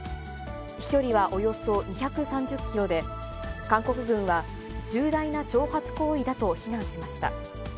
飛距離はおよそ２３０キロで、韓国軍は、重大な挑発行為だと非難しました。